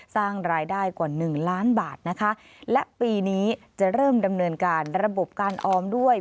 สร้างรายได้กว่าหนึ่งล้านบาทนะคะและปีนี้จะเริ่มดำเนินการระบบการออมด้วย